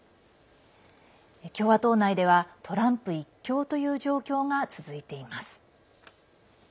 共和党内ではトランプ１強という状況が続いています。